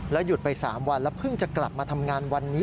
หยุดไป๓วันแล้วเพิ่งจะกลับมาทำงานวันนี้